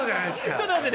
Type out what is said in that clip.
ちょっと待って。